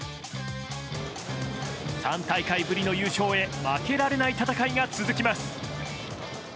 ３大会ぶりの優勝へ負けられない戦いが続きます。